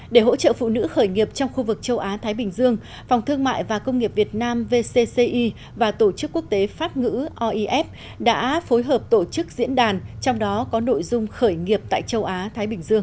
để hỗ trợ phụ nữ khởi nghiệp trong khu vực châu á thái bình dương phòng thương mại và công nghiệp việt nam vcci và tổ chức quốc tế pháp ngữ oif đã phối hợp tổ chức diễn đàn trong đó có nội dung khởi nghiệp tại châu á thái bình dương